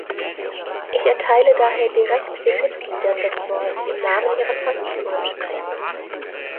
Ich erteile daher direkt den Mitgliedern das Wort, die im Namen ihrer Fraktionen sprechen.